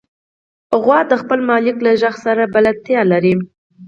غوا د خپل مالک له غږ سره بلدتیا لري.